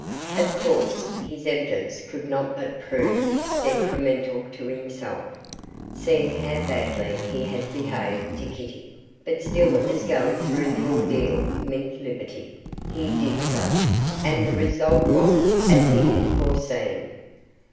Of course, his evidence could not but prove detrimental to himself, seeing how badly he had behaved to Kitty, but still as going through the ordeal meant liberty, he did so, and the result was as he had foreseen.